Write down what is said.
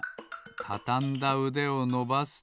たたんだうでをのばすと。